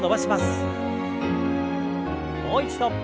もう一度。